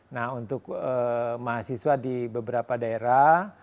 nah untuk mahasiswa di beberapa daerah